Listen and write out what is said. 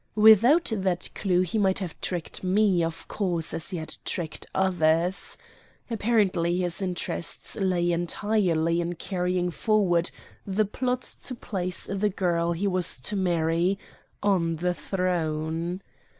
Without that clew he might have tricked me, of course, as he had tricked, others. Apparently his interests lay entirely in carrying forward the plot to place the girl he was to marry on the throne.